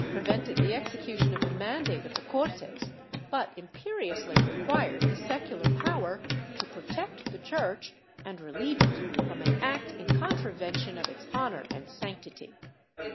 416 DECADENCE AND EXTINCTION [Book IX prevented the execution of the mandate of the Cortes, but imperi ously required the secular power to protect the Church and relieve it from an act in contravention of its honor and sanctity.